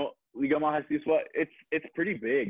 lo tau liga mahasiswa itu cukup besar